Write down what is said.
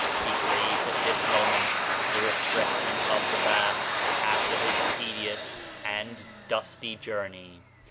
He craved at this moment the refreshment of the bath after his tedious and dusty journey.